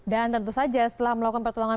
dan tentu saja setelah melakukan pertolongan